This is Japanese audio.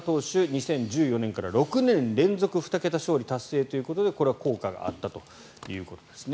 ２０１４年から６年連続２桁勝利達成ということでこれは効果があったということですね。